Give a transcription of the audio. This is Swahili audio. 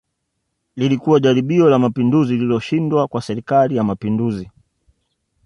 Lilikuwa jaribio la Mapinduzi lililoshindwa kwa Serikali ya Mapinduzi